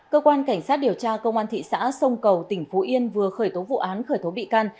cơ quan cảnh sát điều tra công an thị xã sông cầu tỉnh phú yên vừa khởi tố vụ án khởi tố bị can